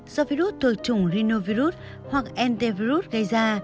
do virus thuộc trùng rhinovirus hoặc antivirus gây ra